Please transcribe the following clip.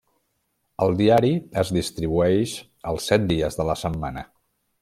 El diari es distribueix els set dies de la setmana.